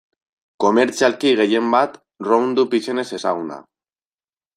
Komertzialki gehien bat Roundup izenez ezaguna.